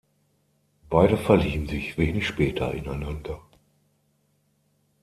Beide verlieben sich wenig später ineinander.